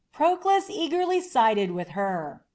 Proclus eagerly sided with her.